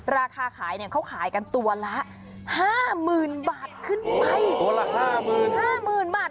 ราคาขายเนี่ยเขาขายกันตัวละ๕๐๐๐๐บาทขึ้นไปโอ้โหตัวละ๕๐๐๐๐บาท